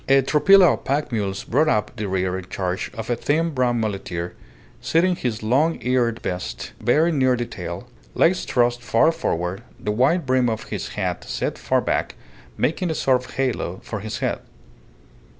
A tropilla of pack mules brought up the rear in charge of a thin brown muleteer, sitting his long eared beast very near the tail, legs thrust far forward, the wide brim of his hat set far back, making a sort of halo for his head.